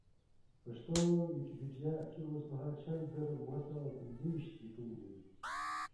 پښتو ویکیپېډیا کې اوسمهال شل زره اوه سوه او پېنځه ویشت لیکنې لري.